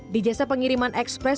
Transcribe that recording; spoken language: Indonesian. di jasa pengiriman ekspres